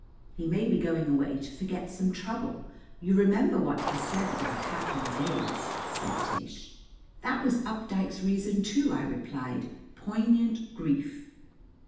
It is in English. "He may be going away to forget some trouble. You remember what he said about happier days," said Tish. "That was Updike's reason too," I relied. "Poignant grief!"